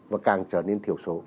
và càng trở nên thiểu số